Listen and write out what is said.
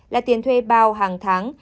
là tiền thuê bao hàng tháng